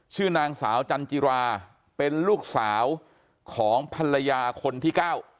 ชื่อนางสาวจันทรีย์ราเป็นลูกสาวของภรรยาคนที่๙